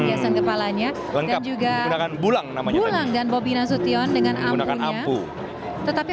jaseng kepalanya dan juga akan bulang namanya bulangan bobby nasution dengan amputnya tetapi